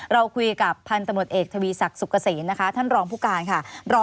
เราคุยกับทรศเอกธวีศักรณ์สุกษีนะครับท่านรองผู้การ